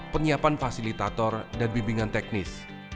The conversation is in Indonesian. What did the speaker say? penyiapan fasilitator dan bimbingan teknis